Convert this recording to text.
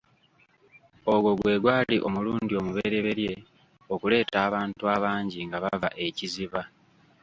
Ogwo gwe gwali omulundi omubereberye okuleeta abantu abangi nga bava e Kiziba.